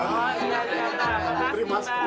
oh iya ternyata